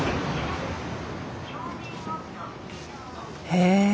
へえ！